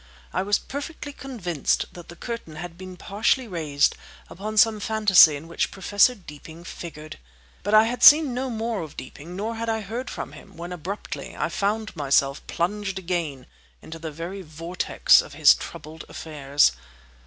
I was perfectly convinced that the curtain had been partially raised upon some fantasy in which Professor Deeping figured. But I had seen no more of Deeping nor had I heard from him, when abruptly I found myself plunged again into the very vortex of his troubled affairs.